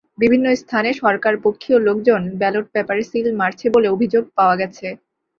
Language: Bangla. বিভিন্ন স্থানে সরকারপক্ষীয় লোকজন ব্যালট পেপারে সিল মারছে বলে অভিযাগ পাওয়া গেছে।